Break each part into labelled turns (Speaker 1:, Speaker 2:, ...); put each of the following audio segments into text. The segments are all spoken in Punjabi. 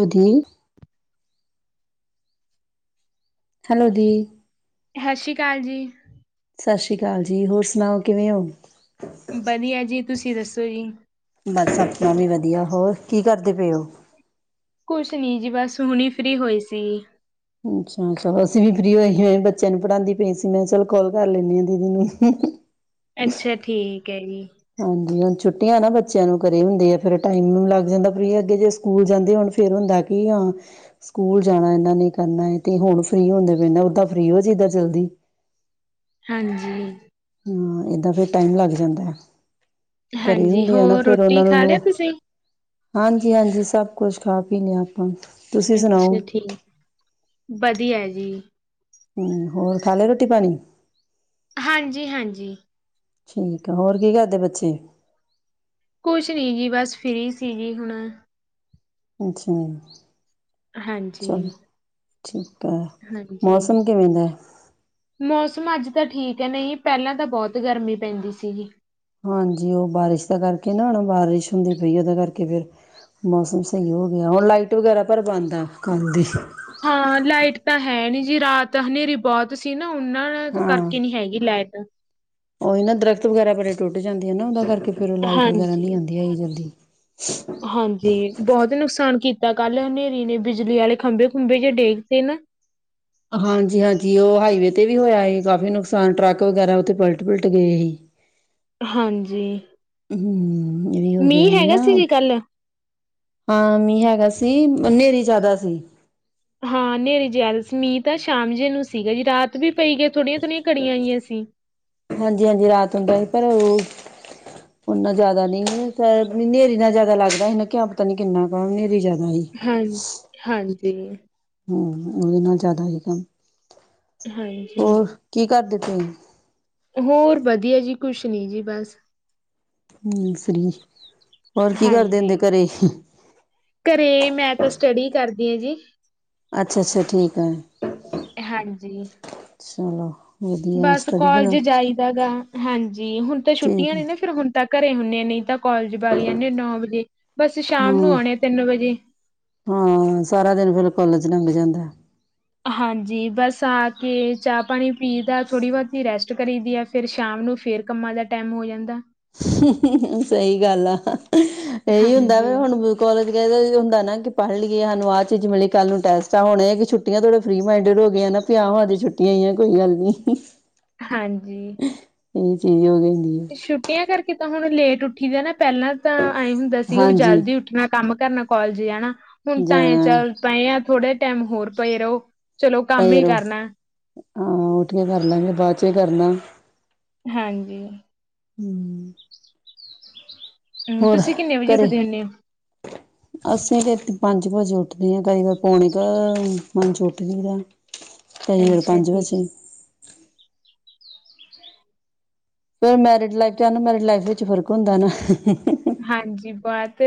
Speaker 1: ਬਦਲੀ ਹੈਲੋ ਜੀ
Speaker 2: ਸਤਿ ਸ਼੍ਰੀ ਅਕਾਲ ਜੀ
Speaker 1: ਸਤਿ ਸ਼੍ਰੀ ਅਕਾਲ ਜੀ ਹੋਰ ਸੁਣਾਓ ਕਿਵੇਂ ਹੋ।
Speaker 2: ਵਧੀਆ ਜੀ ਤੁਸੀਂ ਦੱਸੋ ਜੀ
Speaker 1: ਬਸ ਆਪਣਾ ਵੀ ਵਧੀਆ, ਹੋਰ ਕੀ ਕਰਦੇ ਪਏ ਉਹ
Speaker 2: ਕੁਛ ਨੀ ਜੀ ਬਸ ਹੁਣੀ ਫਰੀ ਹੋਈ ਸੀ!
Speaker 1: ਅੱਛਾ ਚਲੋ ਅਸੀਂ ਵੀ ਫ੍ਰਰੀ ਹੋਏ ਸੀ ਹੋ ਬੱਚਿਆਂ ਨੂੰ ਪੜ੍ਹਾਉਂਦੀ ਪਈ ਸੀ ਮੈਂ ਚਲ ਕਾਲ ਕਰ ਲੈਂਦੀ ਹਾਂ ਦੀਦੀ ਨੂੰ
Speaker 2: ਅੱਛਾ ਠੀਕ ਕ
Speaker 1: ਹਾਂਜੀ ਹੁਣ ਛੁੱਟੀਆਂ ਨਾ ਬੱਚਿਆਂ ਨੂੰ ਕਰੇ ਹੁੰਦੇ ਆ ਫਿਰ ਟਾਈਮ ਲੱਗ ਜਾਂਦਾ ਫਰੀ ਅੱਗੇ ਜੇ ਸਕੂਲ ਜਾਂਦੇ ਹੋਣ ਫਿਰ ਹੁੰਦਾ ਕਿ ਹਾਂ ਸਕੂਲ ਜਾਣਾ ਇਨਾ ਨਹੀਂ ਕਰਨਾ ਤੇ ਹੁਣ ਫਰੀ ਹੁੰਦੇ ਪਏ ਓਦਾਂ ਫ੍ਰਰੀ ਹੋ ਜਦਾਾਂ ਚਲਦੀ
Speaker 2: ਹਾਂਜੀ
Speaker 1: ਇੱਦਾਂ ਫਿਰ ਟਾਈਮ ਲੱਗ ਜਾਂਦਾ। ਘਰੇ
Speaker 2: ਹਾਂਜੀ
Speaker 1: ਹੁੰਦੇ ਆ ਨਾ
Speaker 2: ਹੋਰ
Speaker 1: ਫਿਰ
Speaker 2: ਰੋਟੀ
Speaker 1: ਉਹਨਾਂ
Speaker 2: ਖਾ
Speaker 1: ਨੂੰ
Speaker 2: ਲਿਆ ਤੁਸੀਂ
Speaker 1: ਹਾਂਜੀ ਹਾਂਜੀ ਸਭ ਕੁਛ ਖਾ ਪੀਦੇ ਹ ਆਪਾਂ ਤੁਸੀਂ
Speaker 2: ਅੱਛਾ
Speaker 1: ਸੁਣਾਓ?
Speaker 2: ਠੀਕ ਵਧੀਆ ਜੀ
Speaker 1: ਹਮ ਹੋਰ ਖਾ ਲੈ ਰੋਟੀ ਪਾਣੀ
Speaker 2: ਹਾਂਜੀ ਹਾਂਜੀ
Speaker 1: ਠੀਕ ਹੋਰ ਕੀ ਕਰਦੇ ਬੱਚੇ
Speaker 2: ਕੁਛ ਨਹੀਂ ਜੀ ਬਸ ਫਰੀ ਸੀ ਜੀ ਹੁਣ
Speaker 1: ਅੱਛਾ
Speaker 2: ਹਾਂਜੀ,
Speaker 1: ਅੱਛਾ, ਅ
Speaker 2: ਹਾਂਜੀ।
Speaker 1: ਮੌਸਮ ਕਿਵੇਂ ਦਾ?
Speaker 2: ਮੌਸਮ ਅੱਜ ਤਾਂ ਠੀਕ ਹੈ ਨਹੀਂ ਪਹਿਲਾਂ ਤਾਂ ਬਹੁਤ ਗਰਮੀ ਪੈਂਦੀ ਸੀਗੀ।
Speaker 1: ਹਾਂਜੀ, ਉਹ ਬਾਰਿਸ਼ ਦਾ ਕਰਕੇ ਨਾ ਹੁਣ ਬਾਰਿਸ਼ ਹੁੰਦੀ ਪਈ ਉਹਦੇ ਕਰਕੇ ਫੇਰ ਮੌਸਮ ਸਹੀ ਹੋ ਗਿਆ ਹੁਣ ਲਾਈਟ ਵਗੈਰਾ ਪਰ ਬੰਦ ਕੱਲ ਦੀ।
Speaker 2: ਹਾਂ ਲਾਈਟ ਤਾਂ ਹੈ ਨੀ ਜੀ ਰਾਤ ਹਨੇਰੀ ਬਹੁਤ ਸੀ। ਨਾ ਉਹਨਾਂ
Speaker 1: ਹਾਂ
Speaker 2: ਕਰਕੇ ਨੀ ਹੈਗੀ ਲੈਟ, ਤੇ,
Speaker 1: ਉਹੀ ਨਾ ਦਰਖ਼ਤ ਵਗੈਰਾ ਬੜੇ ਟੁੱਟ ਜਾਂਦੇ ਹੈ ਨਾ ਉਹਦਾ ਕਰਕੇ। ਅਤੇ ਫਿਰ ਉਹ ਲਾਈਟ ਵਗੈਰਾ
Speaker 2: ਹਾਂਜੀ,
Speaker 1: ਨਹੀਂ ਆਦੀ ਹੈਗੀ ਜਲਦੀ।
Speaker 2: ਹਾਂਜੀ, ਬਹੁਤ ਨੁਕਸਾਨ ਕੀਤਾ ਕੱਲ ਹਨੇਰੀ ਨੇ ਬਿਜਲੀ ਵਾਲੇ ਖੰਭੇ ਖੁੰਬੇ ਜ ਡੇਕਤੇ ਨਾ
Speaker 1: ਹਾਂਜੀ-ਹਾਂਜੀ ਉਹ ਹਾਈਵੇ ਵੀ ਹੋਇਆ ਸੀ ਕਾਫੀ ਨੁਕਸਾਨ ਟਰੱਕ ਵਗੈਰਾ ਉੱਥੇ ਪਲਟ ਪਲਟ ਗਏ ਸੀ।
Speaker 2: ਹਾਂਜੀ
Speaker 1: ਹੂੰ, ਇਹ ਵੀ ਹੋ ਗਿਆ
Speaker 2: ਮੀਂਹ ਹੈਗਾ
Speaker 1: ਨਾ
Speaker 2: ਸੀ ਜੀ ਕੱਲ
Speaker 1: ਹਾਂ ਮੀਹ ਹੈਗਾ ਸ ਸੀ ਹਨੇਰੀ ਜ਼ਿਆਦਾ ਸੀ।
Speaker 2: ਹਾਂ ਹਨੇਰੇ ਜੈਲ ਸਮੀਤ ਆ ਸ਼ਾਮ ਜੇ ਨੂੰ ਸੀਗਾ ਜੀ ਰਾਤ ਵੀ ਪਈ ਗਈ। ਥੋੜੀਆਂ ਥੋੜੀਆਂ ਕੜੀਆਂ ਆਈਆਂ ਸੀ।
Speaker 1: ਹਾਂਜੀ-ਹਾਂਜੀ ਰਾਤ ਹੁੰਦਾ ਸੀ ਪਰ ਉਹ ਨਾ ਜਿਆਦਾ ਨਹੀਂ ਹਨੇਰੀ ਨਾਲ ਜਿਆਦਾ ਲੱਗਦਾ ਸੀ ਨਾ ਕਿਆ ਪਤਾ ਨੀ ਕਿੰਨਾ ਕਾ ਹਨੇਰੀ ਜ਼ਿਆਦਾ ਸੀ।
Speaker 2: ਹਾਂ ਹਾਂਜੀ, ਜੀ,
Speaker 1: ਉਹਦੇ ਨਾਲ ਜ਼ਿਆਦਾ ਹੀ ਕੰਮ
Speaker 2: ਹਾਂਜੀ,
Speaker 1: ਹੂੰ,
Speaker 2: ਹੋਰ ਵਧੀਆ ਜੀ ਕੁਛ ਨੀ ਜੀ ਬਸ
Speaker 1: ਹੂੰ ਸੀ ਹੋਰ ਕੀ ਕਰਦੇ
Speaker 2: ਹਾਂਜੀ
Speaker 1: ਹੁੰਦੇ ਘਰੇ?
Speaker 2: ਘਰੇ ਮੈਂ ਤਾਂ ਸਟੱਡੀ ਕਰਦੀ ਆ ਜੀ,
Speaker 1: ਅੱਛਾ-ਅੱਛਾ ਠੀਕ ਹੈ।
Speaker 2: ਹਾਂਜੀ,
Speaker 1: ਚਲੋ, ਵਧੀਆ
Speaker 2: ਬਸ
Speaker 1: ਸਟੱਡੀ
Speaker 2: ਕੋਲਜ
Speaker 1: ਵ
Speaker 2: ਜਾਈਦਾ ਗਾ ਹਾਂਜੀ ਹੁਣ ਤਾਂ
Speaker 1: ਠੀਕ
Speaker 2: ਛੁੱਟੀਆਂ
Speaker 1: ਆ
Speaker 2: ਨੇ ਨਾ ਫਿਰ ਹੁਣ ਤੱਕ ਘਰੇ ਹੁੰਨੇ ਆ ਨਹੀਂ ਤਾਂ ਕਾਲਜ ਬਗ ਜਾਂਨੇ ਆ ਨੌ ਵਜੇ ਬਸ ਸ਼ਾਮ ਨੂੰ ਆਉਣੇ ਤਿੰਨ ਵਜੇ
Speaker 1: ਹਾਂ-ਹਾਂ ਸਾਰਾ ਦਿਨ ਫਿਰ ਕਾਲਜ ਲੰਘ ਜਾਂਦਾ
Speaker 2: ਹਾਂਜੀ ਬਸ ਆ ਕੇ ਚਾਹ ਪਾਣੀ ਪੀ ਦਾ ਥੋੜ੍ਹੀ ਬਹੁਤੀ ਰੈਸਟ ਕਰੀ ਦੀ ਆ ਫਿਰ ਸ਼ਾਮ ਨੂੰ ਫੇਰ ਕੰਮਾਂ ਦਾ ਟਾਈਮ ਹੋ ਜਾਂਦਾ।
Speaker 1: ਸਹੀ ਗੱਲ ਆ। ਇਹੀ ਹੁੰਦਾ ਵੀ
Speaker 2: ਹਾਂਜੀ
Speaker 1: ਹੁਣ ਕੋਲੇਜ ਗਏ ਹੁੰਦਾ ਨਾ ਕੀ, ਪੜ੍ਹ ਲਈਏ ਸਾਨੂੰ ਆਹ ਚੀਜ਼ ਮਿਲੀ ਕੱਲ ਨੂੰ ਟੈਸਟ ਹੋਣ ਛੁੱਟੀਆਂ ਤਉ ਫਰੀ ਮਡਡ ਹੋ ਗ ਪਿਆ ਹੋ ਦੀ ਛੁੱੀਆਂ ਆ ਕੋਈ ਗੱਲ ਨੀ
Speaker 2: ਹਾਂਜੀ
Speaker 1: ਇਹੀ ਚੀਜ਼ ਹੋ ਗਈ
Speaker 2: ਛੁੱਟੀਆਂ ਕਰ ਕਿ ਤਾਂ ਹੁਣ ਲੇਟ ਉੱਠੀ ਦਾ ਨਾ ਪਹਿਲਾਂ ਤਾਂ ਆਏ ਹੁੰਦਾ ਸੀਗਾ ਵੀ
Speaker 1: ਹਾਂਜੀ
Speaker 2: ਜਲਦੀ ਉੱਠਣਾ ਕੰਮ ਕਰਨਾ ਕੋਾਲਜ ਜਾਣਾ ਹੁਣ ਤਾਂ ਐਂ
Speaker 1: ਜਾਣਾ
Speaker 2: ਚੱਲ ਪਏ ਆ ਥੋੜੇ ਟਾਈਮ ਹੋਰ ਪਏ ਰਹੋ- ਚਲੋ ਕੰਮ ਹੀ
Speaker 1: ਫਰੋ
Speaker 2: ਕਰਨਾ
Speaker 1: ਹਾਂ ਉੱਠੀਆਂ ਕਰ ਲਾਂਗੇ ਬਾਅਦ ਚ ਕਰਨਾ
Speaker 2: ਹਾਂਜੀ
Speaker 1: ਹਮ
Speaker 2: ਹੂੰ,
Speaker 1: ਹੋਰ
Speaker 2: ਤੁਸੀਂ ਕਿੰਨੇ ਵਜੇ
Speaker 1: ਘਰੇ
Speaker 2: ਉੱਠਦੇ ਹੁੰਨੇ ਓ?
Speaker 1: ਅਸੀਂ ਤੇ ਪੰਜ ਵਜੇ ਉੱਠਦੇ ਆ ਕਈ ਵਾਰ ਪੌਣੇ ਕ ਪੰਜ ਉੱਠਦੀ ਹੈ ਚ ਫਰ
Speaker 2: ਅੱਛਾ
Speaker 1: ਪੰਜ ਵਜੇ
Speaker 2: ਠੀਕ।
Speaker 1: ਫਿਰ ਮੈਰਿਡ ਲਾਈਫ ਚ ਅਨਮੈਰਿਡ ਲਾਈਫ ਵਿੱਚ ਫ਼ਰਕ ਹੁੰਦਾ ਨਾ
Speaker 2: ਹਾਂਜੀ ਬਹੁਤ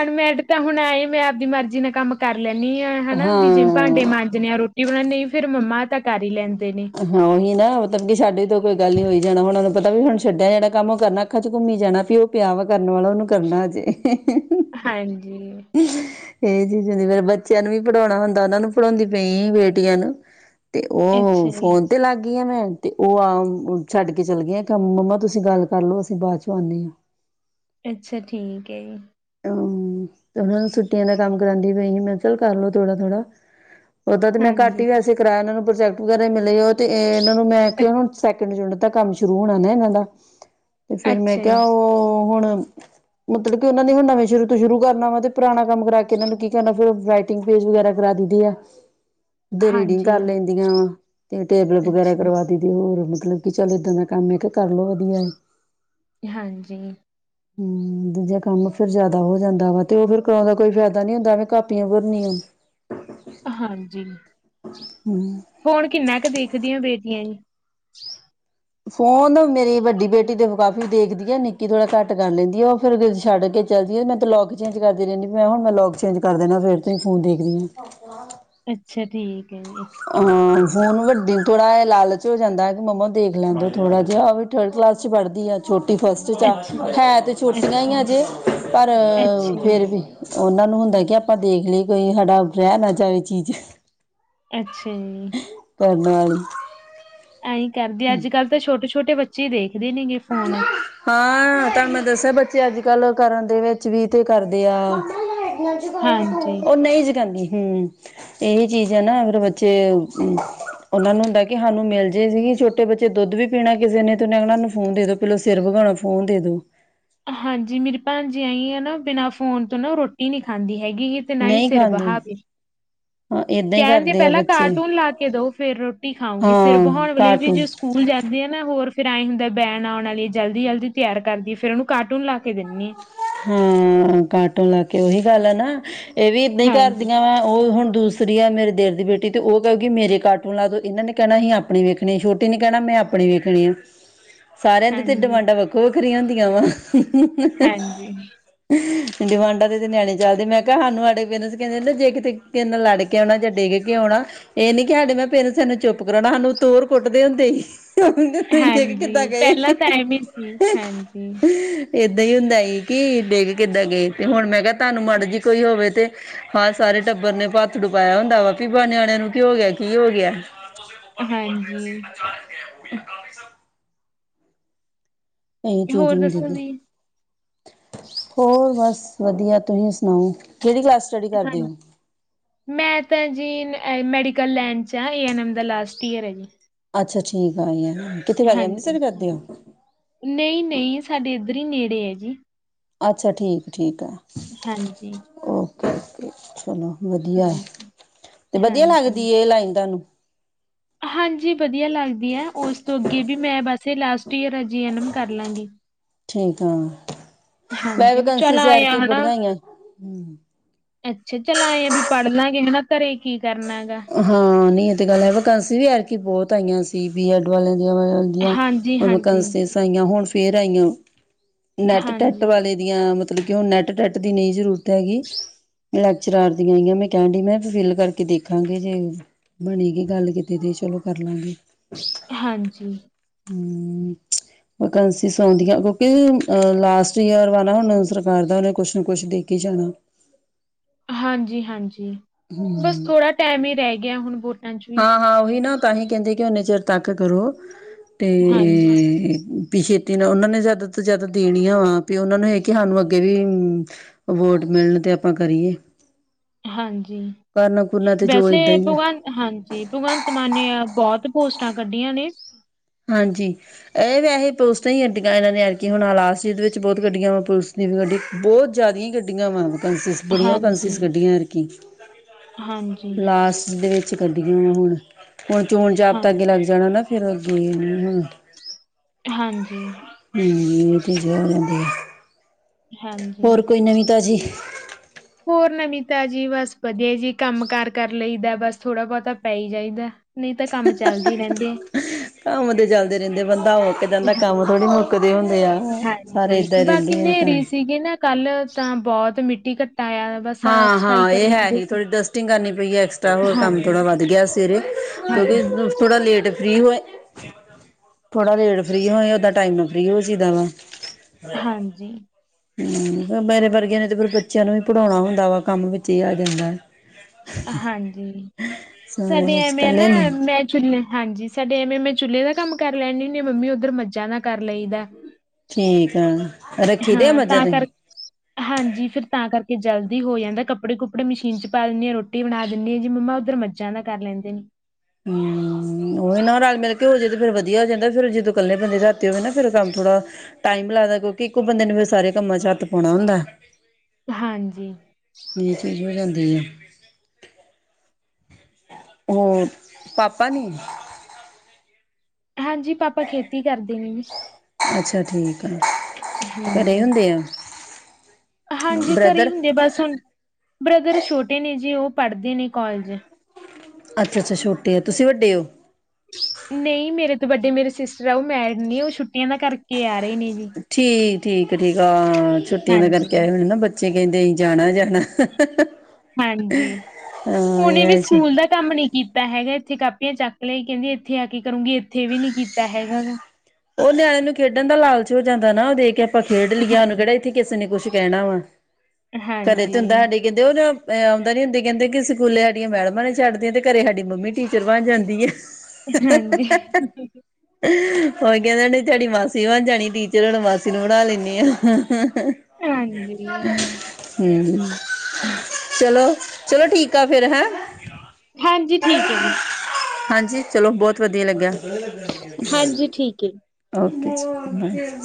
Speaker 2: ਅਨਮੈਰਿਡ ਤਾਂ ਹੁਣ ਐਏ ਮੈਂ ਆਪਦੀ ਮਰਜ਼ੀ ਨਾਲ ਕੰਮ ਕਰ ਲੈਂਦੀ ਆਾਂ ਹਨਾ ਵੀ ਜੇ ਭਾਂਡੇ
Speaker 1: ਹਾਂ
Speaker 2: ਮਾਂਜਣੇ ਆ ਰੋਟੀ ਬਣਾਉਦੇ ਫੇਰ ਮੰਮਾ ਤਾਂ ਕਰ ਹੀ ਲੈਂਦੀ
Speaker 1: ਹਾਂ ਉਹੀ ਨਾ ਮਤਲਬ ਕਿ ਸਾਡੇ ਤੋਂ ਕੋਈ ਗੱਲ ਨੀ ਹੋਈ ਜਾਣਾ ਹੁਣ ਪਤਾ ਵੀ ਹੁਣ ਛੱਡਿਆ ਜਿਹੜਾ ਕੰਮ ਉਹ ਕਰਨਾ ਅੱਖਾਂ ਚ ਘੁੰਮੀ ਜਾਣਾ ਵੀ ਉਹ ਪਿਆ ਵਾ ਕਰਨ ਵਾਲਾ ਉਹਨੂੰ ਕਰਨਾ ਅਜੇ
Speaker 2: ਹਾਂਜੀ ਜੀ
Speaker 1: ਇਹ ਚੀਜ਼ ਹੁੰਦੀ ਫਿਰ ਬੱਚਿਆਂ ਨੂੰ ਵੀ ਪੜ੍ਹਾਉਣਾ ਹੁੰਦਾ ਉਹਨਾਂ ਨੂੰ ਪੜ੍ਹਾਉਂਦੀ ਪਈ ਬੇਟੀਆਂ ਨੂੰ ਤੇ ਉਹ
Speaker 2: ਅੱਛਾ ਜੀ,
Speaker 1: ਫੋਨ ਤੇ ਲੱਗ ਗਈ ਆ ਮੈਂ ਤੇ ਉਹ ਆ ਛੱਡ ਕੇ ਚੱਲ ਗਈ ਮੰਮਾ ਤੁਸੀਂ ਗੱਲ ਕਰਲਓ ਅਸੀਂ ਬਾਅਦ ਚੋਂ ਆਉਂਦੇ ਹਾਂ
Speaker 2: ਅੱਛਾ ਠੀਕ ਹੈ ਜੀ
Speaker 1: ਹਮ ਤੇ ਉਹਨਾ ਨੂੰ ਛੁੱਟ ਦਾ ਕੰਮ ਕਰਾਉਂਦੀ ਪਈ ਮੈਂ ਕਿਹਾ ਚੱਲ ਕਰਲਓ ਥੋੜਾ-ਥੋੜਾ ਉਹਦ ਤੇ ਮੈਂ ਘੱਟ
Speaker 2: ਹਾਂਜੀ,
Speaker 1: ਹੀ ਵੈਸੇ ਕਰਾਇਆ ਉਹਨਾਂ ਨੂੰ ਪ੍ਰੋਜੈਕ ਵਗੈਰਾ ਮਿਲੇ ਤੇ ਇਹਨਾਂ ਨੂੰ ਮੈਂ
Speaker 2: ਅ
Speaker 1: ਕਿਹਾ ਹੁਣ ਨੂੰ ਚੁਣਤਾ ਕੰਮ ਸ਼ੁਰੂ ਹੋਣਾ ਨਾ ਇਹਨਾਂ ਦਾ ਤੇ ਫੇਿਰ ਮੈਂ
Speaker 2: ਅੱਛਾ ਜੀ,
Speaker 1: ਕਿਹਾ ਉਹ ਹੁਣ ਮਤਲਬ ਕਿ ਉਹ ਨੇ ਹੁਣ ਨਵੇਂ ਸ਼ੁਰੂ ਤੋਂ ਸ਼ੁਰੂ ਕਰਨਾ ਵਾ ਤੇ ਪੁਰਾਣਾ ਕੰਮ ਕਰਾ ਕੇ ਇਹਨਾਂ ਨੂੰ ਕੀ ਕਹਿਣਾ ਫਿਰ ਰਾਈਟਿੰਗ ਪੇਜ ਵਗੈਰਾ ਕਰਾ ਦਈ ਦੀ ਐ ਤੇ ਰੀਡਿੰਗ
Speaker 2: ਹਾਂਜੀ।
Speaker 1: ਕਰ ਲੈਂਦੀਆਂ ਵਾ ਤੇ ਟੇਬਲ ਵਗੈਰਾ
Speaker 2: ਅੱਛਾ।
Speaker 1: ਕਰਵਾ ਦਈ ਦੀ ਹੋਰ ਮਤਲਬ ਕਿ ਚੱਲ ਏਦਾਂ ਦਾ ਕੰਮ ਹੈ ਕਿ ਕਰਲੋ ਵਧੀਆ
Speaker 2: ਹਾਂਜੀ
Speaker 1: ਹੂੰ ਦੂਜਾ ਕੰਮ ਫੇਰ ਜ਼ਿਆਦਾ ਹੋ ਜਾਂਦਾ ਵਾ ਤੇ ਉਹ ਫੇਰ ਕਰਾਉਣ ਦਾ ਕੋਈ ਫਾਇਦਾ ਨੀ ਹੁੰਦਾ ਐਵੇਂ ਕਾ ਪੀਆਂ ਭਰਨੀਆ
Speaker 2: ਹਾਂਜੀ ਫੋਨ ਕਿੰਨਾ ਕੁ ਦੇਖਦੀ ਆ ਬੇ ਬੇਟੀਆਂ ਜੀ
Speaker 1: ਫੋਨ ਮੇਰੀ ਵੱਡੀ ਬੇਟੀ ਤੇ ਕਾਫੀ ਦੇਖਦੀ ਆ ਨਿੱੱਕੀ ਥੋੜਾ ਘੱਟ ਕਰ ਲੈਂਦੀ ਆ ਉਹ ਫਿਰ ਛੱਡ ਕੇ ਚਲ ਜੀ ਆ ਮੈਂ ਤੇ ਲੋਕ ਚੇਂਜ ਕਰਦੀ ਰਹਿੰਦੀ ਮੈਂ ਹੁਣ ਮੈਂ ਲੋਕ ਚੇਂਜ ਕਰ ਦੇਨਾ ਫਿਰ ਤੁਸੀਂ ਫੋਨ ਦੇਖਦੀ ਆ
Speaker 2: ਅੱਛਾ ਠੀਕ ਹੈ ਜੀ
Speaker 1: ਫੋਨ ਵੱਡੀ ਥੋੜਾ ਇਹ ਲਾਲਚ ਹੋ ਜਾਂਦਾ ਹੈ ਕਿ ਮੰਮਾ ਦੇਖ ਲੈਂਦਾ ਥੋੜਾ ਜਿਹਾ ਵੀ ਥਰਡ ਕਲਾਸ ਚ ਪੜ੍ਹਦੀ ਆ ਛੋਟੀ ਛੋਟੀ ਫਸਟ ਚਾ
Speaker 2: ਅੱਛਾ,
Speaker 1: ਆ ਤੇ ਛੋਟੀਆਂ ਹੀ
Speaker 2: ਅੱਛਾ,
Speaker 1: ਹਜੇ ਪਰ
Speaker 2: ਅੱਛਾ
Speaker 1: ਫਿਰ
Speaker 2: ਜੀ।
Speaker 1: ਵੀ ਉਹਨਾਂ ਨੂੰ ਹੁੰਦਾ ਕਿ ਆਪਾਂ ਦੇਖ ਲਈਏ ਕੋਈ ਸਾਡਾ ਰਹਿ ਨਾ ਜਾਵੇ ਚੀਜ਼
Speaker 2: ਅੱਛਾ ਜੀ
Speaker 1: [unintelligible]
Speaker 2: ਐਂਈ ਕਰਦੀ ਅੱਜ ਕੱਲ੍ਹ ਤਾਂ ਛੋਟੇ ਛੇ ਛੋਟੇ ਬੱਚੇ ਦੇ
Speaker 1: ਹਾਂ ਦੱਸੇ ਬੱਚੇ ਅੱਜ ਕੱਲ ਕਰਨ ਦੇ ਵਿੱਚ ਵੀ ਤੇ ਕਰਦੇ ਆ
Speaker 2: ਹਾਂਜੀ
Speaker 1: ਉਹ ਨਹੀਂ ਜਗਾਣੀ ਹੂੰ ਇਹੀ ਚੀਜ਼ ਐ ਨਾ ਅਗਰ ਬੱਚੇ ਉਹਨਾਂ ਨੂੰ ਹੁੰਦਾ ਕਿ ਸਾਨੂੰ ਮਿਲ ਜ਼ੇ ਸੀਗੀ ਛੋਟੇ ਬੱਚੇ ਦੁੱਧ ਵੀ ਪੀਣਾ ਕਿਸੇ ਨੇ ਤੇ ਓਹਨੇ ਕਹਿਣਾ ਫੋਨ ਦੇ ਦੋ ਪਹਿਲਾਂ ਸਿਰ ਵਗਾਾਉਣਾ ਫੋਨ ਦੇ ਦੋ
Speaker 2: ਹਾਂਜੀ ਮੇਰੀ ਭਾਣਜੀ ਆਈ ਆ ਨਾ ਬਿਨਾਂ ਫ਼ੋਨ ਤੋਂ ਨਾ ਰੋਟੀ ਨਹੀਂ ਖਾਂਦੀ ਹੈਗੀ ਹੀ ਤੇ ਨਾ ਹੀ
Speaker 1: ਨਹੀਂ
Speaker 2: ਸਿਰ
Speaker 1: ਖਾਂਦੇ
Speaker 2: ਬਹਾਵੈ
Speaker 1: ਹਾਂ ਏਦਾਂ ਹੀ
Speaker 2: ਕਹਿਣ ਗੇ
Speaker 1: ਕਰਦੇ ਆ
Speaker 2: ਪਹਿਲਾਂ
Speaker 1: ਬੱਚੇ
Speaker 2: ਕਾਰਟੂਨ ਲਾ ਕੇ ਦੋ ਫਿਰ ਰੋਟੀ ਖਾਊਂਗੀ ਸਿਰ
Speaker 1: ਹਾਂ
Speaker 2: ਬਹਾਉਣ ਵਾਲੇ ਵੀ
Speaker 1: ਕਾਰਟੂਨ
Speaker 2: ਜੇ ਸਕੂਲ ਜਾਂਦੇ ਆ ਨਾ ਹੋਰ ਫੇਰ ਐ ਹੁੰਦਾ ਬੈਨ ਆਉਣ ਵਾਲੀਏ ਜਲਦੀ ਜਲਦੀ ਤਿਆਰ ਕਰਦੀ ਹੈ ਫੇਰ ਉਹਨੂੰ ਕਾਰਟੂਨ ਲਾ ਕੇ ਦੀਨੀ ਆ
Speaker 1: ਹਾਂ ਕਾਰਟੂਨ ਲਾ ਕੇ ਉਹੀ ਗੱਲ ਆ ਨਾ ਇਹ ਵੀ ਇੱਦਾਂ ਹੀ ਘਰ
Speaker 2: ਹਾਂਜੀ
Speaker 1: ਦੀਆਂ ਵਾ ਉਹ ਹੁਣ ਦੂਸਰੀ ਆ ਮੇਰੇ ਦਿਊਰ ਦੀ ਬੇਟੀ ਤੇ ਉਹ ਕਹੂਗੀ ਮੇਰੇ ਕਾਰਟੂਨ ਲਾਦੋ ਇਹਨਾਂ ਨੇ ਕਹਿਣਾ ਅਸੀਂ ਆਪਣੀ ਵੇਖਣੀ ਛੋਟੀ ਨੇ ਕਹਿਣਾ ਮੈਂ ਆਪਣੀ ਵੇਖਣੀ ਆ ਸਾਰਿਆਂ ਦੀ
Speaker 2: ਹਾਂਜੀ
Speaker 1: ਡਿਮਾਂਡਾ ਵੱਖੋ ਵੱਖ ਰੀਆਂ ਹੁੰਦੀਆਂ ਵਾ
Speaker 2: ਹਾਂਜੀ
Speaker 1: ਹਮ ਗਵਾਂਡਾ ਦੇ ਤੇ ਨਿਆਣੇ ਚੱਲਦੇ ਮੈਂ ਕਿਹਾ ਸਾਨੂੰ ਸਾਡੇ ਪੇਰੈਂਟਸ ਕਹਿੰਦੇ ਜੇ ਕਿਤੇ ਨਾਲ ਲੜ ਕੇ ਆਣਾ ਜਾਂ ਡਿੱਗ ਕੇ ਆਣਾ ਇਹ ਨੀ ਕਿ ਸਾਡੇ ਮੈਂ ਪੇਰੈਂਟਸੂੰ ਚੁੱਪ ਕਰਾਣਾ ਸਾਨੂੰ ਊਤੋ ਹੋਰ ਕੁੱਟਦੇ ਹੀ। [unintelligible] ਕੀਦਾ
Speaker 2: ਹਾਂਜੀ
Speaker 1: ਗਏ।
Speaker 2: ਪਹਿਲਾਂ ਤਾਂ ਐਵੇਂ ਸੀ ਹਾਂਜੀ
Speaker 1: ਏਦਾਂ ਹੀ ਹੁੰਦਾ ਈ। ਕੀ ਡਿੱਗ ਕਿੱਦਾਂ ਗਏ ਤੇ ਹੁਣ ਮੈਂ ਕਿਹਾ ਤੁਹਾਨੂੰ ਮਾੜ ਜੀ ਕੋਈ ਹੋਵੇ ਤੇ ਹਾਂ ਸਾਰੇ ਟੱਬਰ ਨੇ ਪਾਥਡੁ ਪਾਇਆ ਹੁੰਦਾ ਵਾ ਵੀ ਨਿਆਣਿਆਂ ਨੂੰ ਕਿ ਹੋ ਗਿਆ ਕੀ ਹੋ ਗਿਆ। [unintelligible]
Speaker 2: ਹਾਂਜੀ
Speaker 1: [unintelligible] ਇਹੀ ਚੀਜ਼
Speaker 2: ਹੋਰ
Speaker 1: ਹੁੰਦੀ
Speaker 2: ਦੱਸੋ
Speaker 1: ਦੀ
Speaker 2: ਜੀ
Speaker 1: ਹੋਰ ਬਸ, ਵਧੀਆ, ਤੁਸੀਂ ਸੁਣਾਓ? ਕਿਹੜੀ ਕਲਾਸ ਸਟੱਡੀ ਕਰਦੇ
Speaker 2: ਹਾਂਜੀ
Speaker 1: ਹੋ?
Speaker 2: ਮੈਂ ਤਾਂ ਜੀ, ਇਹ ਮੈਡੀਕਲ ਲੈਣ 'ਚ ਆ ਏ ਐੱਨ ਐੱਮ ਦਾ ਲਾਸਟ ਈਅਰ ਹੈ ਜੀ।
Speaker 1: ਅੱਛਾ ਠੀਕ ਆਈ ਐ।
Speaker 2: ਹਾਂਜੀ ਨਹੀਂ-ਨਹੀਂ, ਸਾਡੇ ਇੱਧਰ ਹੀ ਨੇੜੇ ਹੈ ਜੀ।
Speaker 1: ਅੱਛਾ ਠੀਕ-ਠੀਕ,
Speaker 2: ਹਾਂਜੀ,
Speaker 1: [unintelligible] ਚਲੋ ਵਧੀਆ ਤੇ ਵਧੀਆ ਲੱਗਦੀ
Speaker 2: ਹਾਂਜੀ। ਹਾਂਜੀ
Speaker 1: ਇਹ ਲਾਈਨ ਤੁਹਾਨੂੰ
Speaker 2: ਹਾਂਜੀ ਵਧ ਵਧੀਆ ਲੱਗਦੀ ਹੈ ਉਸ ਤੋਂ, ਵੀ ਮੈਂ ਬਸ ਲਾਸਟ ਈਅਰ ਐ ਜੀ ਐਨ ਐਮ ਕਰ ਲਾਂਗੀ।
Speaker 1: ਠੀਕ ਆ।
Speaker 2: ਹਾਂਜੀ ਵੀ ਚੱਲ ਆਇਆ ਹਨਾ
Speaker 1: ਹੋਈਆਂ
Speaker 2: ਅੱਛਾ ਚੱਲ ਆਇਆ ਵੀ ਪੜ੍ਹ ਲਾਂਗੇ ਹਨਾ ਘਰੇ ਕੀ ਕਰਨਾਗਾ।
Speaker 1: ਹਾਂ ਨਹੀਂ ਗੱਲ ਵੀਕੇਨਸੀ ਵੀ ਆਰਕੀ ਬਹੁਤ ਆਈਆਂ ਸੀ ਬੀ ਐਡ ਵਲ [inaudible]
Speaker 2: ਹਾਂਜੀ-ਹਾਂਜੀ,
Speaker 1: ਵੀਕੇਨਸੀ ਆਈਆ ਹੋਇਆ। [inaudible] ਆਈਆ, ਨੈਟ ਟੈਟ
Speaker 2: ਹਾਂਜੀ।
Speaker 1: ਵਾਲੇ ਦੀਆਂ ਮਤਲਬ ਕਿ ਉਹ ਨੈੱਟ ਟੈਟ ਦੀ ਨਹੀਂ ਜ਼ਰੂ ਹੈਗੀ। ਲੈਕਚਰਾਰ ਦੀਆਂ ਆਈਆਂ ਮੈਂ ਕਹਿਣ ਦਈ ਮੈਂ ਫਿਲ ਕਰਕੇ ਦੇਖ। ਦੇਖਾਂਗੇ ਜੇ ਬਣੇਗੀ ਗੱਲ ਕਿਤੇ ਤੇ ਚਲੋ ਕਰ ਲਾਂਗੇ।
Speaker 2: ਹਾਂਜੀ,
Speaker 1: ਹੂੰ, ਵਕੈਂਨਸੀਸ ਆਦੀਆਂ ਕਿਉਂਕਿ ਅ ਲਾਸਟ ਈਅਰ ਵਾ ਨਾ ਹੁਣ ਸਰਕਾਰ ਦਾ ਉਹਨੇ ਕੁਛ ਨਾ ਕੁਛ ਦੇ ਕੇ ਜਾਣਾ।
Speaker 2: ਹਾਂਜੀ-ਹਾਂਜੀ, ਬਸ ਥੋੜਾ ਟਾਈਮ ਹੀ ਰਹਿ ਗਿਆ। ਗਿਆ ਹੁਣਹੁ
Speaker 1: ਹਾਂ -ਹਾਂ ਉਹੀ ਨਾ ਤਾਂਹੀ ਕਹਿੰਦੇ ਕਿ ਨੇ ਚਿਰ ਤੱਕ ਕਰੋ ਤੇ
Speaker 2: ਹਾਂਜੀ,
Speaker 1: ਛੇਤੀ ਨਾਲ ਉਹਨਾਂ ਨੇ ਜਿਆਦਾ ਤੋਂ ਜਿਆਦਾ ਦੇਣੀਆਂ ਵਾ ਵੀ ਉਹਨਾਂ ਨੂੰ ਇਹ ਕਿ ਸਾਨੂੰ ਅੱਗੇ ਵੀ ਵੋਟ ਮਿਲਣ ਤੇ ਆਪਾਂ ਕਰੀਏ
Speaker 2: ਹਾਂਜੀ
Speaker 1: ਕਰਨਾ ਕੁਰਨਾ ਤੇ ਜੋ
Speaker 2: ਵੈਸੇ
Speaker 1: ਏਦਾਂ ਹੀ ਆ
Speaker 2: ਭਗਵਾਨ ਹਾਂਜੀ ਜ ਭਗਵੰਤ ਮਾਨ ਨੇ ਬਹੁਤ ਪੋਸਟਾਂ ਕੱਢੀਆਂ ਨੇ
Speaker 1: ਹਾਂਜੀ ਇਹ ਵੈਸੇ ਪੁਸਤਾਂ ਹੀ ਘਡੀਆਂ ਇਹਨਾਂ ਨੇ ਐਕ ਹੁਣ ਹਾਲਾਸਟ ਜ ਦੇ ਵਿੱਚ ਬਹੁਤ ਘਡੀਆਂ ਵਾ ਪੁਲਿਸ ਦੀ ਵੀ ਗੱਡੀ ਬਹੁਤ ਜ਼ਿਆਦੀ ਹੀ ਘਡੀਆਂ ਵਾ ਬੜੀਆਂ ਉਹ
Speaker 2: ਹਾਂਜੀ
Speaker 1: ਕਸਿਸ ਕੱਢੀਆਂ ਹਰਕ
Speaker 2: ਹਾਂਜੀ
Speaker 1: ਲਾਸਟ ਦੇ ਵਿੱਚ ਕੱਢੀਆਂ ਵ ਹੁਣ ਹੁਣ ਚੋਣ ਜਾਪ
Speaker 2: ਹਾਂ
Speaker 1: ਤਾਂ ਅੱਗੇ ਲੱਗ ਜਾਣਾ ਨਾ [inaudible] ਤੇ ਨਹੀਂ ਹਮ
Speaker 2: ਹਾਂਜੀ
Speaker 1: ਇਹ ਤੇੀਕਦੀ
Speaker 2: ਹਾਂਜੀ
Speaker 1: ਤਾਜ਼ੀ
Speaker 2: ਹੋਰ ਨਵੀਂ ਤਾਂ ਜੀ ਬਸ ਵਧੀਆ ਜੀ ਕੰਮ ਕਾਰ ਕਰ ਲਈਦਾ ਬਸ ਥੋੜਾ ਬਹੁਤਾ ਪੈ ਹੀ ਜਾਈਦਾ ਨਹੀਂ ਤਾਂ ਕੰਮ ਚੱਲਦੇ ਰਹਿੰਦੇ
Speaker 1: ਕੰਮਦੇ ਚਲਦੇ ਰਹਿੰਦੇ ਬੰਦੇ ਦਾ ਉਹ ਕਿਦਾਂ ਦਾ ਕੰਮ
Speaker 2: ਹਾਂਜੀ
Speaker 1: ਥੋੜੀ ਮੁੱਕਦੇ ਹੁੰਦੇ ਆ ਸਾਰੇ
Speaker 2: ਹਾਂਜੀ
Speaker 1: ਏਦਾਂ
Speaker 2: ਬਾਕੀ
Speaker 1: ਰਹਿੰਦੇ ਆ ਕੰਮ
Speaker 2: ਹਨੇਰੀ ਸੀਗੀ ਨਾ ਕੱਲ ਤਾਂ ਬਹੁਤ ਮਿੱਟੀ ਕ
Speaker 1: ਹਾਂ-ਹਾਂ ਇਹ ਹੈ ਹੀ ਥੋੜ੍ਹੀ ਡਸਟਿੰਗ ਕਰਨੀ ਪਈ ਹੈ ਐਕਸਟਰਾ ਹੋਰ ਕੰਮ
Speaker 2: ਹਾਂਜੀ
Speaker 1: ਥੋੜ੍ਹਾ ਵੱਧ ਗਿਆ ਸਵੇਰੇ ਕਿਉਂਕਿ
Speaker 2: ਹਾਂਜੀ
Speaker 1: ਥੋੜ੍ਹਾ ਲੇਟ ਫਰੀ ਹੋਏ [inaudible] ਥੋੜਾ ਰੇਟ ਫਰੀ ਹੋਏ ਓਦਾਂ ਟਾਈਮ ਰੋ ਸੀ ਦਾ ਵਾ
Speaker 2: ਹਾਂਜੀ
Speaker 1: ਹਮ ਮੇਰੇ ਵਰਗਿਆਂ ਨੇ ਤੇ ਫੇਿਰ ਬੱਚਿਆਂ ਨੂੰ ਵੀ ਪੜ੍ਹਾਉਣਾ ਹੁੰਦਾ ਵਾ ਕੰਮ ਵਿੱਚ ਹੀ ਆ ਜਾਂਦਾ
Speaker 2: ਹਾਂਜੀ
Speaker 1: ਸਾਰਾ
Speaker 2: ਸਾਡੇ
Speaker 1: ਵਿੱਚ
Speaker 2: ਐਵੇਂ ਆ ਨਾ
Speaker 1: ਇਕੱਲੇ ਨੂੰ
Speaker 2: ਮੈਂ ਚੁ ਹਾਂਜੀ ਸਾਡੇ ਸਾਡੇ ਐਵੇਂ ਮੈਂ ਚੁੱਲੇ ਦਾ ਕੰਮ ਕਰ ਲੈਦੀ ਹੁੰਦੀ ਮੰਮੀ ਉੱਧਰ ਮੱਝਾਂ ਦਾ ਕਰ ਲਈ ਦਾ
Speaker 1: ਠੀਕ ਆ ਰੱਖੀ ਦੇ ਆ
Speaker 2: ਹਾਂ
Speaker 1: ਮੱਝਾਂ
Speaker 2: ਤਾਂ
Speaker 1: ਤੁਸੀਂ
Speaker 2: ਕਰਕੇ ਹਾਂਜੀ ਫਿਰ ਤਾਂ ਕਰਕੇ ਕਿ ਜਲਦੀ ਹੋ ਜਾਂਦਾ ਕੱਪੜੇ ਕੁੱਪੜੇ ਮਸ਼ੀਨ ਚ ਪਾ ਦਿੰਦੇ ਆਾਂ ਰੋਟੀ ਬਣਾ ਦਿੰਦੀ ਹਾਂ ਜੀ ਮੰਮਾ ਉੱਧਰ ਮੱਝਾਂ ਦਾ ਕਰ ਲੈਂਦੇ ਨੇ
Speaker 1: ਹਮ ਉਹੀ ਨਾ ਰਲ ਮਿਲ ਕੇ ਹੋ ਜਾੇ ਤੇ ਫਿਰ ਵਧੀਆ ਹੋ ਜਾਂਦਾ ਫਿਰ ਜਦੋਂ ਇਕੱਲੇ ਬੰਦੇ ਰਾ ਹੋਵੇ ਨਾ ਫੇਿਰ ਕੰਮ ਥੋੜਾ ਟਾਈਮ ਲੱਗਦਾ ਕਿਉਂਕਿ ਇੱਕੋ ਬੰਦੇ ਨੂੰ ਫਿਰ ਸਾਰੇ ਕੰਮ ਚ ਹੱਥ ਪਾਉਣਾ ਹੁੰਦਾ
Speaker 2: ਹਾਂਜੀ
Speaker 1: ਇਹ [unintelligible] ਹੋਰ ਪਾਪਾ ਨੀ
Speaker 2: ਹਾਂਜੀ ਪਾਪਾ ਖੇਤੀ ਕਰਦੇ ਨੇ
Speaker 1: ਅੱਛਾ ਠੀਕ ਆ ਘਰੇ ਹੁੰਦੇ ਆ
Speaker 2: ਹਾਂਜੀ-ਘਰੇ ਇ
Speaker 1: ਬ੍ਰਦਰ
Speaker 2: ਹੁੰਦੇ ਆ ਬਸ ਹੁਣ ਬ੍ਰਦਰ ਛੋਟੇ ਨੇ ਜੀ ਉਹ ਪੜ੍ਹਦੇ ਨੇ ਕਾੱਲੇਜ
Speaker 1: ਅੱਛਾ-ਅੱਛਾ ਛੋਟੇ ਆ ਤੁਸੀਂ ਵੱਡੇ ਹੋ
Speaker 2: ਨਹੀਂ ਮੇਰੇ ਤੋਂ ਵੱਡੇ ਮੇਰੇ ਸਿਸਟਰ ਆ ਉਹ ਮੈਰਿਡ ਨੇ ਉਹ ਛੁਟੀਆਂ ਦਾ ਕਰਕੇ [unintelligible]
Speaker 1: ਠੀਕ ਠੀਕ-ਠੀਕ ਤਾਂ ਛੁੱਟੀਆਂ ਦੇ
Speaker 2: ਹਾਂਜੀ
Speaker 1: ਕਰਕੇ ਆਏ ਹੋਏ ਨਾ ਬੱਚ- ਬੱਚੇ ਕਹਿੰਦੇ [unintelligible] ਜਾਣਾ ਜਾ
Speaker 2: ਹਾਂਜੀ
Speaker 1: ਹਾਂ
Speaker 2: ਉਹਨੇ ਵੀ
Speaker 1: ਇਹ ਚ
Speaker 2: ਸਕੂਲ ਦਾ ਕੰਮ ਨੀ ਕੀਤਾ ਹੈਗਾ ਇੱਥੇ ਕਾਪੀਆਂ ਚੱਕ ਲਯਾਈ ਕਹਿੰਦੀ ਇੱਥੇ ਆ ਕੇ ਕਰੂੰਗੀ ਇੱਥੇ ਵੀ ਨੀ ਕੀਤਾ ਹੈਗਾ ਨਾ
Speaker 1: ਉਹ ਨਿਆਣੇ ਨੂੰ ਖੇਡਣ ਦਾ ਲਾਲਚ ਹੋ ਜਾਂਦਾ ਨਾ ਉਹ ਦੇਖ ਕੇ- ਆਪਾਂ ਖੇਡ
Speaker 2: ਹਾਂਜੀ।
Speaker 1: [unintelligible] ਇੱਥੇ ਕਿਸੇ ਨੇ ਕੁਛ ਕਹਿਣਾ ਵਾ ਘਰੇ ਤੇ
Speaker 2: ਹਾਂਜੀ,
Speaker 1: ਹੁੰਦਾ [unintelligible] ਆਉਂਦਾ ਨੀ ਹੁੰਦੀ ਕਹਿੰਦੇ ਸਕੂਲੇ ਸਾਡੀਆਂ ਮੈਡਮਾਂ ਨੇ ਛੱਡਦੀਆਂ ਤੇ ਘਰੇ ਸਾਡੀ ਮੰਮੀ ਟੀਚਰ ਬਣ ਜਾਂਦੀ ਏ
Speaker 2: ਹਾਂਜੀ
Speaker 1: ਉਹੀ ਕਹਿੰਦੇ ਨੀ ਤੁਹਾਡੀ ਮਾਸੀ ਬਣ ਜਾਣੀ ਟੀਚਰ ਹੁਣ ਮਾਸੀ ਨੂੰ ਬਣਾ ਲੈਣੇ ਆ-
Speaker 2: ਹਾਂਜੀ
Speaker 1: ਹਮ ਚਲੋ-ਚਲੋ ਠੀਕ ਆ ਫ਼ੇਰ ਹੈਂ
Speaker 2: ਹਾਂਜੀ ਠੀਕ ਏ
Speaker 1: ਹਾਂਜੀ ਚਲੋ ਬਹੁਤ ਵਧੀਆ ਲੱਗਿਆ
Speaker 2: ਹਾਂਜੀ ਠੀਕ ਏ
Speaker 1: [unintelligible]